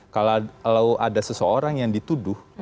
kalau ada seseorang yang dituduh